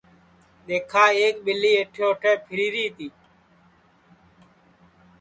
دؔیکھا ایک ٻیلی ایٹھے اوٹھے پھیری ری تی